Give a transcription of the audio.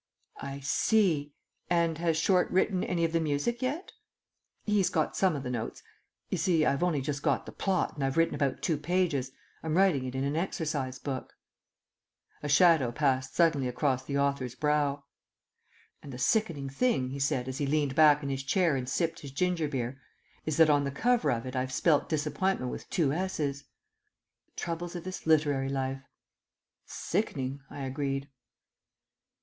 "I see. And has Short written any of the music yet?" "He's got some of the notes. You see, I've only just got the plot, and I've written about two pages. I'm writing it in an exercise book." A shadow passed suddenly across the author's brow. "And the sickening thing," he said, as he leant back in his chair and sipped his ginger beer, "is that on the cover of it I've spelt Disappointment with two 's's.'" (The troubles of this literary life!) "Sickening," I agreed.